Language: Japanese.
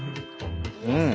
うん！